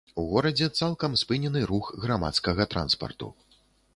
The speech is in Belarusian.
У горадзе цалкам спынены рух грамадскага транспарту.